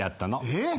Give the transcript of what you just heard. えっ！